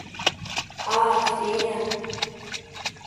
— А-а, Феня!..